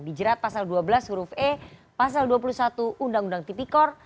dijerat pasal dua belas huruf e pasal dua puluh satu undang undang tipikor